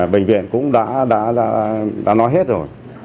bệnh viện cũng đã nói hết rồi